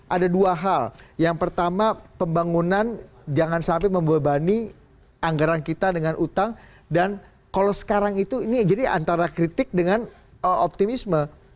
ada dua hal yang pertama pembangunan jangan sampai membebani anggaran kita dengan utang dan kalau sekarang itu ini jadi antara kritik dengan optimisme